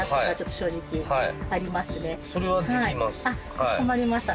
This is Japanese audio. かしこまりました。